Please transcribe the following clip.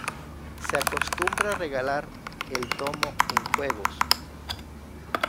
Se acostumbra regalar el Domo en Juegos.